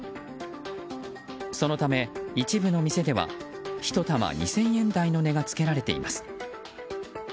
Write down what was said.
そのため、一部の店ではひと玉２０００円台の値がつけられています。